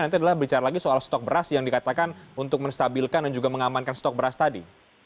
nanti adalah bicara lagi soal stok beras yang dikatakan untuk menstabilkan dan juga mengamankan stok beras tadi